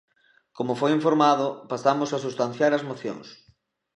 Como foi informado, pasamos a substanciar as mocións.